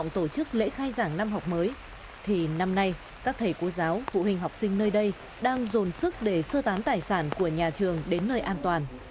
thì năm nay các thầy cô giáo phụ hình học sinh nơi đây đang dồn sức để sơ tán tài sản của nhà trường đến nơi an toàn